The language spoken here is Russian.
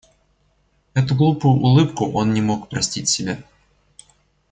Эту глупую улыбку он не мог простить себе.